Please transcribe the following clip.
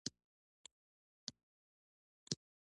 بزګر د اغزي را ویستلو بشپړه هڅه وکړه.